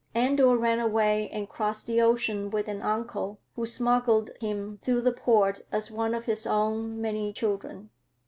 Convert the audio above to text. Andor ran away and crossed the ocean with an uncle, who smuggled him through the port as one of his own many children.